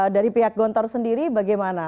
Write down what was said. dari pihak gontor sendiri bagaimana